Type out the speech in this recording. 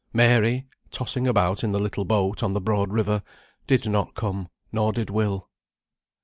Mary (tossing about in the little boat on the broad river) did not come, nor did Will.